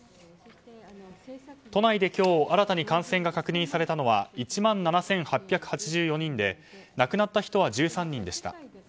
都内で今日新たに感染が確認されたのは１万７８８４人で亡くなった人は１３人でした。